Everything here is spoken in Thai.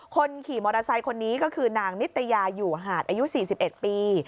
คนขี่มอเตอร์ไซค์คนนี้ก็คือนางนิตยาอยู่หาดอายุ๔๑ปี